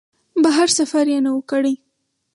بهر سفر یې نه و کړی.